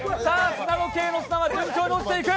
砂時計の砂は順調に落ちていく。